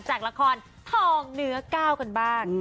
จากละครทองเนื้อก้าวกันบ้าง